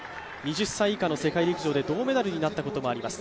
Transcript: ２０歳以下の世界陸上で銅メダルになったこともあります。